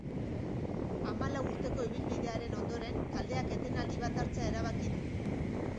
Hamalau urteko ibilbidearen ondoren taldeak etenaldi bat hartzea erabaki du.